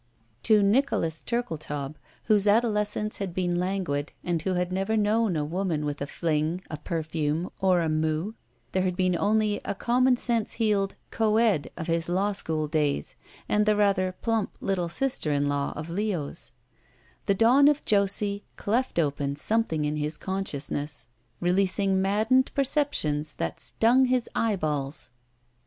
To Nicholas Turkletaub, whose adolescence had been languid and who had never known a woman with a fling, a perfume, or a moue (there had been only a common sense heeled co ed of his law school days and the rather plump little sister in law of Leo's), the dawn of Josie cleft open something in his consciousness, releasing maddened perceptions that sttmg his eyeballs.